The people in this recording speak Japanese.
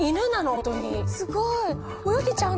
すごい！